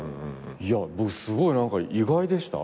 いや僕すごい意外でした。